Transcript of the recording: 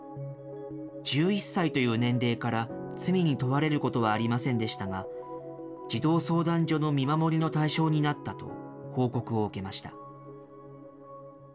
１１歳という年齢から、罪に問われることはありませんでしたが、児童相談所の見守りの対象になったと報告を受けました。